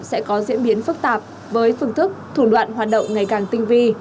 sẽ có diễn biến phức tạp với phương thức thủ đoạn hoạt động ngày càng tinh vi